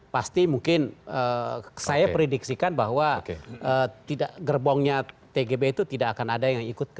pasti mungkin saya prediksikan bahwa gerbongnya tgb itu tidak akan ada yang ikut